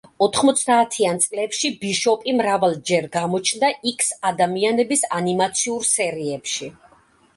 ოთხმოცდაათიან წლებში ბიშოპი მრავალჯერ გამოჩნდა იქს-ადამიანების ანიმაციურ სერიებში.